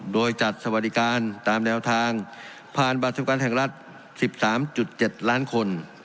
โดยจัดสวัสดิการตามแนวทางผ่านบัตรสวัสดิการแห่งรัฐ๑๓๗ล้านคน